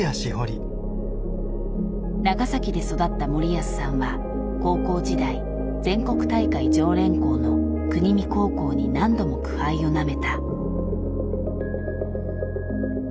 長崎で育った森保さんは高校時代全国大会常連校の国見高校に何度も苦杯をなめた。